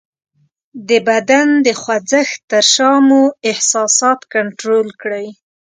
د بدن د خوځښت تر شا مو احساسات کنټرول کړئ :